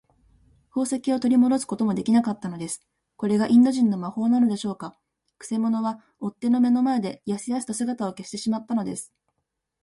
宝石をとりもどすこともできなかったのです。これがインド人の魔法なのでしょうか。くせ者は追っ手の目の前で、やすやすと姿を消してしまったのです。